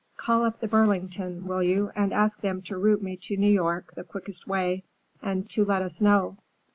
Call up the Burlington, will you, and ask them to route me to New York the quickest way, and to let us know.